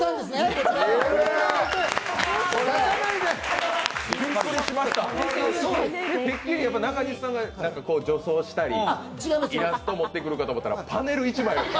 てっきり中西さんが女装したり、イラスト持ってくるかと思ったら、パネル１枚。